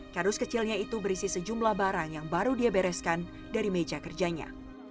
kardus kecilnya itu berisi sejumlah barang yang baru dia bereskan dari meja kerjanya